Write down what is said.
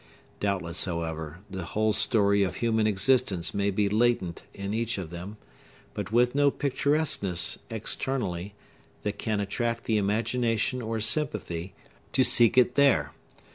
Doubtless, however, the whole story of human existence may be latent in each of them, but with no picturesqueness, externally, that can attract the imagination or sympathy to seek it there.